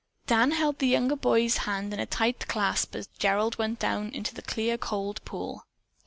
Dan held the younger boy's hand in a tight clasp as Gerald went down into the clear, cold pool.